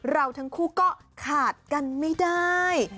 เราทั้งคู่ก็ขาดกันไม่ได้